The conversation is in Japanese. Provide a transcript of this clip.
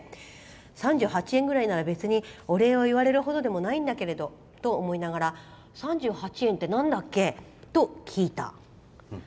３８円ぐらいなら別にお礼を言われるほどじゃないと思いながら３８円ってなんだっけ？と聞いた。